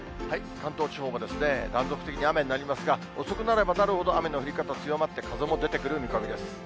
関東地方も断続的に雨になりますが、遅くなればなるほど雨の降り方、強まって風も出てくる見込みです。